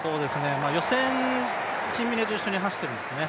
予選、シンビネと一緒に走ってるんですよね。